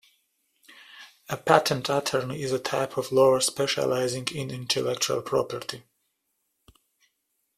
A patent attorney is a type of lawyer specialising in intellectual property